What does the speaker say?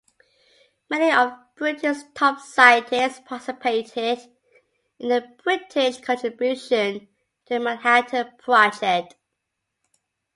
Many of Britain's top scientists participated in the British contribution to the Manhattan Project.